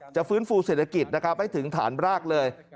จะฟื้นฟูเศรษฐกิจให้ถึงฐานรากเลย